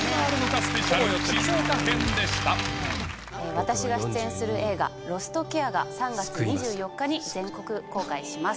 私が出演する映画『ロストケア』が３月２４日に全国公開します。